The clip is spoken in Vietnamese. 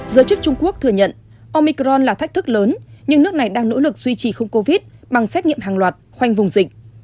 giới chức trung quốc thừa nhận omicron là thách thức lớn nhưng nước này đang nỗ lực duy trì không covid bằng xét nghiệm hàng loạt khoanh vùng dịch